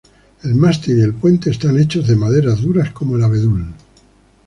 El mástil y el puente están hechos de maderas duras como el abedul.